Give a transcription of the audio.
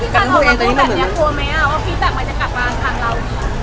การที่สามารถมาดูแบบนี้กลัวไหมว่าพี่จับมันจะกลับมาทางเรา